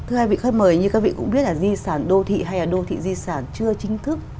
thưa hai vị khách mời như các vị cũng biết là di sản đô thị hay là đô thị di sản chưa chính thức